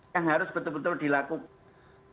yang harus betul betul dilakukan